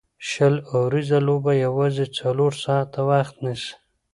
شل اووريزه لوبه یوازي څلور ساعته وخت نیسي.